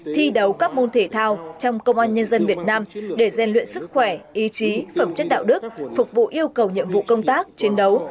thi đấu các môn thể thao trong công an nhân dân việt nam để gian luyện sức khỏe ý chí phẩm chất đạo đức phục vụ yêu cầu nhiệm vụ công tác chiến đấu